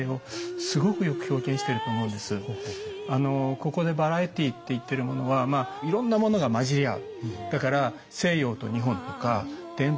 ここでバラエティーって言ってるものはいろんなものが混じり合う。